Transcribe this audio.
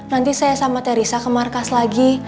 nanti saya sama terisa ke markas lagi